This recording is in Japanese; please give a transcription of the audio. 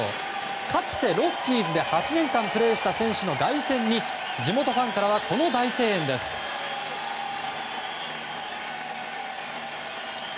かつてロッキーズで８年間プレーした選手の凱旋に地元ファンからは大声援です。